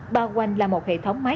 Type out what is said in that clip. bao quanh là một hệ thống phân loại